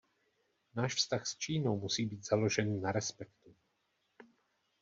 Náš vztah s Čínou musí být založen na respektu.